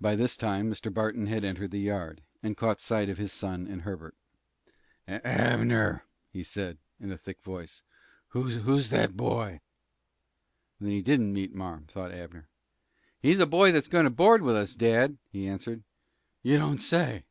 By this time, Mr. Barton had entered the yard, and caught sight of his son and Herbert. "Abner," said he, in a thick voice, "who's that boy?" "Then he didn't meet marm," thought Abner. "He's a boy that's goin' to board with us, dad," he answered. "You don't say!